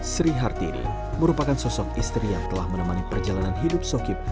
sri hartiri merupakan sosok istri yang telah menemani perjalanan hidup sokip